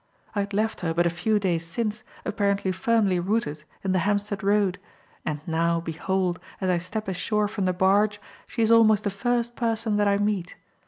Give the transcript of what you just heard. I had left her but a few days since apparently firmly rooted in the Hampstead Road, and now, behold, as I step ashore from the barge, she is almost the first person that I meet.